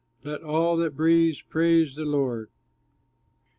Let all that breathes praise the Lord!